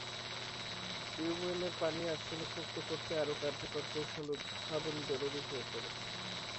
টিউবওয়েলের পানি আর্সেনিকমুক্ত করতে আরও কার্যকর কৌশল উদ্ভাবন জরুরি হয়ে পড়েছে।